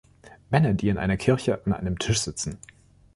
Männer, die in einer Kirche an einem Tisch sitzen.